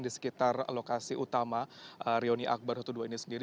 di sekitar lokasi utama reuni akbar dua puluh dua ini sendiri